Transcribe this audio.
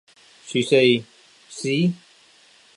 She says, See!